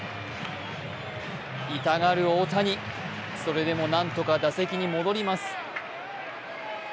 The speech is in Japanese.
痛がる大谷、それでも何とか打席に戻ります。